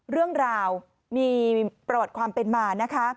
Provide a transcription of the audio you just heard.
เรื่องราวมีประวัติความเป็นมานะคะ